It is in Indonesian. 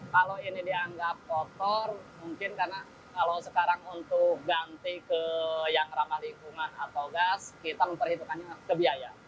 kalau ini dianggap kotor mungkin karena kalau sekarang untuk ganti ke yang ramah lingkungan atau gas kita memperhitungkannya ke biaya